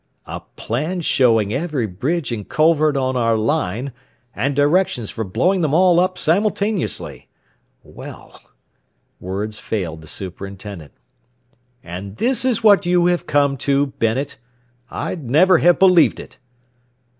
"A plan showing every bridge and culvert on our line, and directions for blowing them all up, simultaneously! Well " Words failed the superintendent. "And this is what you have come to, Bennet? I'd never have believed it!"